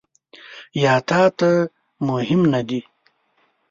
یا تا ته مهم نه دي ؟